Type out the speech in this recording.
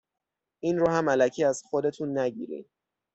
این رو هم الکی از خودتون نگیرین.